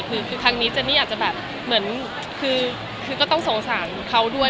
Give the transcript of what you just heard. คือครั้งนี้เจนนี่อาจจะแบบเหมือนคือก็ต้องสงสารเขาด้วย